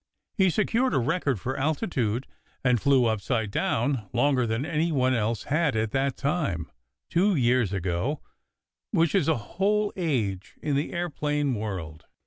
He secured a record for altitude, and flew upside down longer than any one else had at that time, two years ago, which is a whole age in the aeroplane world.